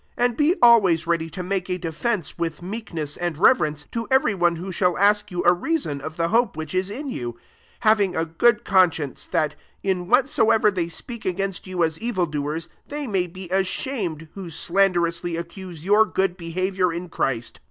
And be always ready to make a defence, with meekness and reverence, to every one who shall ask you a reason of the hope which is in you: 16 having a g^od consci ence; that, in whatsoever they speak against you as evil doers, they may be ashamed, who slanderously accuse your g^od behaviour in Christ.